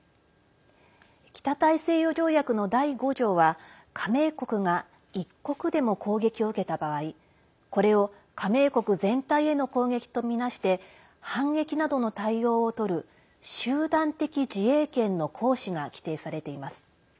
北大西洋条約の第５条は加盟国が１国でも攻撃を受けた場合これを加盟国全体への攻撃とみなして反撃などの対応をとる集団的自衛権の行使が規定されています。